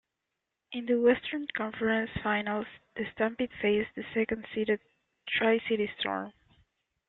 In the Western Conference Finals, the Stampede faced the second seeded Tri-City Storm.